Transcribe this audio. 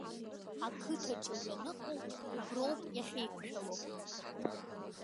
Ақыҭаҿы ианыҟоу, уброуп иахьеиқәшәало.